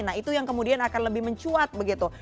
nah itu yang kemudian akan lebih mencuat begitu